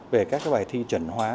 về các cái bài thi chuẩn hóa